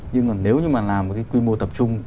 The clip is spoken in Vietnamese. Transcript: nhưng mà nếu như mà làm một cái quy mô tập trung